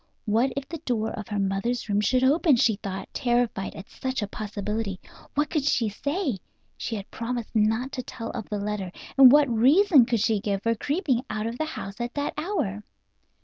What if the door of her mother's room should open, she thought, terrified at such a possibility. What could she say? She had promised not to tell of the letter, and what reason could she give for creeping out of the house at that hour?